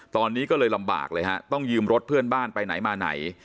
ตอนนี้ก็เลยลำบากเลยฮะต้องยืมรถเพื่อนบ้านไปไหนมาไหน